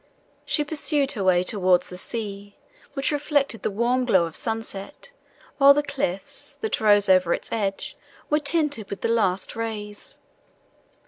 She pursued her way towards the sea, which reflected the warm glow of sunset, while the cliffs, that rose over its edge, were tinted with the last rays.